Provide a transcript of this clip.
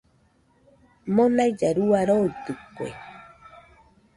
Monailla rua roitɨkue